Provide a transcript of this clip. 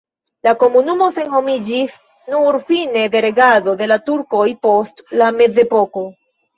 La komunumo senhomiĝis nur fine de regado de la turkoj post la mezepoko.